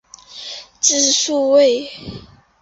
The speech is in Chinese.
字叔胄。